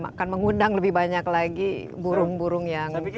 akan mengundang lebih banyak lagi burung burung yang